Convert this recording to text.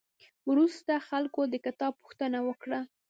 وروسته خلکو د کتاب پوښتنه وکړه.